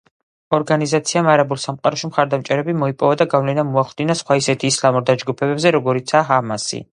ორგანიზაციამ არაბულ სამყაროში მხარდამჭერები მოიპოვა და გავლენა მოახდინა სხვა ისეთ ისლამურ დაჯგუფებებზე როგორიცაა ჰამასი.